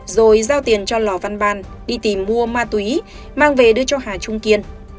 rồi giao tiền cho lò văn ban đi tìm mua ma túy mang về đưa cho hà trung kiên